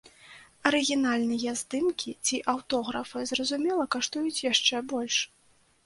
Арыгінальныя здымкі ці аўтографы, зразумела, каштуюць яшчэ больш.